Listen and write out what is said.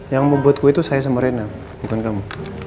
yang membuat kue itu saya sama rena bukan kamu